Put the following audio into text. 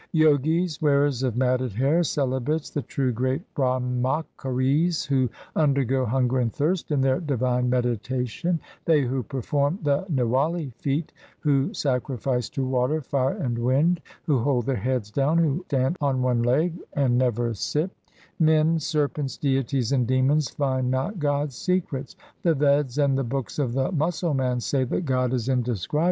Jogis, wearers of matted hair, celibates, the true, great Brahmacharis who undergo hunger and thirst in their divine meditation, They who perform the niwali feat, who sacrifice to water, fire, and wind, who hold their heads down, who stand or one leg and never sit, Men, serpents, deities, and demons find not God's secrets ; the Veds and the books of the Musalmans say that God is indescribable.